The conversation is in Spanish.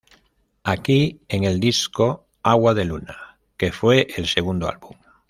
Aquí en el disco "Agua de Luna", que fue el segundo álbum.